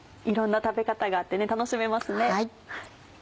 いろんな食べ方があって楽しめますね。